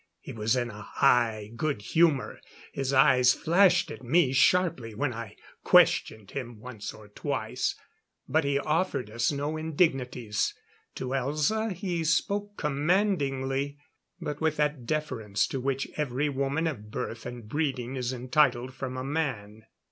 He was in a high good humor. His eyes flashed at me sharply when I questioned him once or twice; but he offered us no indignities. To Elza he spoke commandingly, but with that deference to which every woman of birth and breeding is entitled from a man.